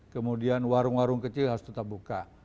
kemudian warung warung kecil harus tetap buka